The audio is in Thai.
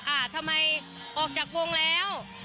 อ่าทำไมออกจากวงแล้ว